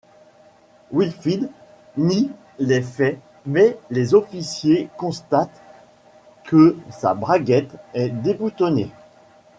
Whitfield nie les faits mais les officiers constatent que sa braguette est déboutonnée.